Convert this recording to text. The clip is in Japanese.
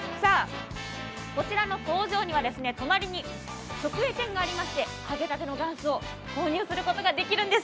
こちらの工場には隣に直営店がありまして揚げたてのがんすを購入することができるんです。